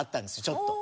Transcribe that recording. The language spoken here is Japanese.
ちょっと。